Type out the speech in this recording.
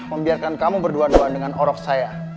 membiarkan kamu berdua dengan orok saya